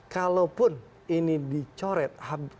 kalaupun ini dicoret